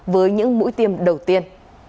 với những mũi tiêm đầu tiên